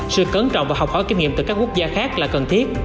sự cẩn trọng và học hỏi kinh nghiệm từ các quốc gia khác là cần thiết